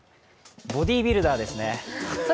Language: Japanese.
ボディビルダーですね。